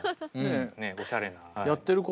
ねっおしゃれな。